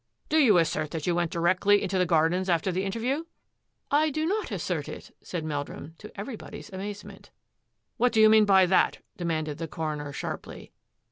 " Do you assert that you went directly into the gardens after the interview?" " I do not assert it," said Meldrum, to every body's amazement. " What do you mean by that? " demanded the coroner sharply.